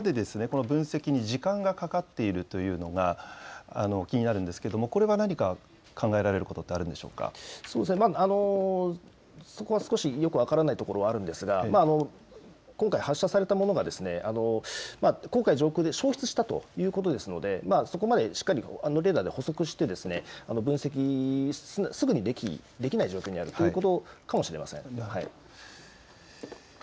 もう一つ、ここまでこの分析に時間がかかっているというのが気になるんですけれども、これは何か考えられることってあるんでそこは少しよく分からないところはあるんですが、今回発射されたものが黄海上空で消失したということですので、そこまでしっかりレーダーで捕捉して、分析、すぐにできない状況にあるということかもしれません。